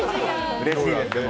うれしいです、でも。